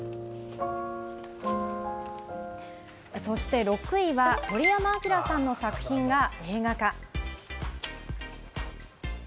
そして６位は鳥山明さんの作品が映画化。